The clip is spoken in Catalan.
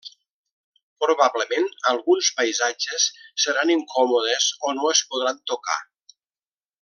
Probablement alguns paisatges seran incòmodes o no es podran tocar.